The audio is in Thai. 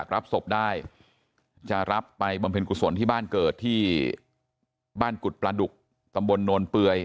รับศพได้จะรับไปบำเพ็ญกุศลที่บ้านเกิดที่บ้านกุฎปลาดุกตำบลโนนเปลือย